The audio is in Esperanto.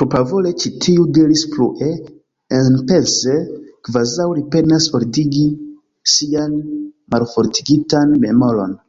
Propravole ĉi tiu diris plue, enpense, kvazaŭ li penas ordigi sian malfortigitan memoron: